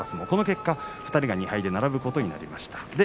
この結果２人が２敗で並ぶことになりました。